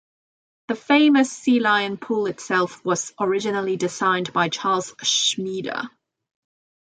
The famous sea lion pool itself was originally designed by Charles Schmieder.